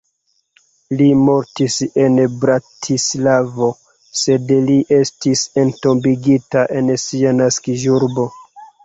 Li mortis en Bratislavo, sed li estis entombigita en sia naskiĝurbo.